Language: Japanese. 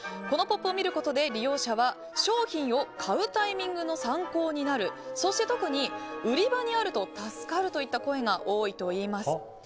このポップを見ることで利用者は商品を買うタイミングの参考になるそして特に、売り場にあると助かるといった声が多いといいます。